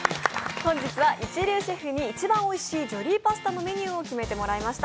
本日は一流シェフに一番惜しいジョリーパスタのメニューを決めてもらいました。